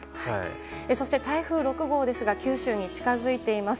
そして台風６号ですが九州に近づいています。